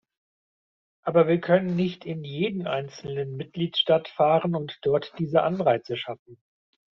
Aber wir können nicht in jeden einzelnen Mitgliedstaat fahren und dort diese Anreize schaffen.